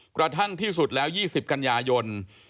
กระทั่งที่สุดแล้ว๒๐กันยายน